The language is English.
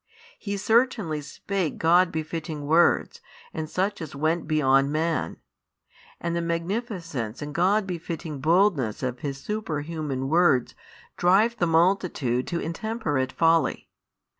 He certainly spake God befitting words and such as went beyond man; and the magnificence and God befitting boldness of His superhuman words drive the multitude to intemperate folly.